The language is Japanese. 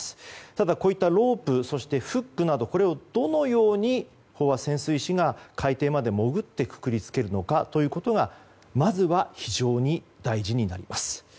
ただこういったロープフックなどをどのように飽和潜水士が海底まで潜ってくくりつけるのかということがまずは非常に大事になります。